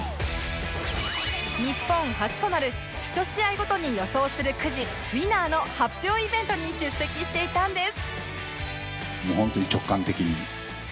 日本初となる１試合ごとに予想するくじ ＷＩＮＮＥＲ の発表イベントに出席していたんです